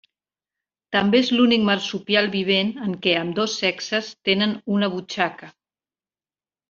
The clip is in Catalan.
També és l'únic marsupial vivent en què ambdós sexes tenen una butxaca.